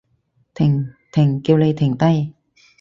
停！停！叫你停低！